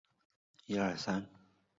阿加汗三世。